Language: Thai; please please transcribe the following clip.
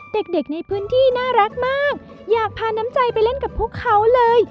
เด็กในพื้นที่น่ารักมากอยากพาน้ำใจไปเล่นกับพวกเขาเลย